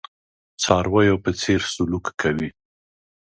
څارویو په څېر سلوک کوي.